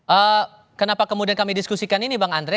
eee kenapa kemudian kami diskusikan ini bang andre